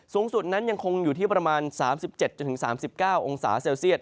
สูงสุดนั้นยังคงอยู่ที่ประมาณ๓๗๓๙องศาเซลเซียต